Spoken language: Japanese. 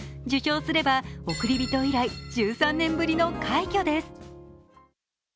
受賞すれば「おくりびと」以来１３年ぶりの快挙です。